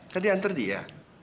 kan dia antar dia